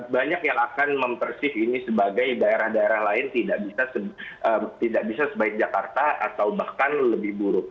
banyak yang akan mempersip ini sebagai daerah daerah lain tidak bisa sebaik jakarta atau bahkan lebih buruk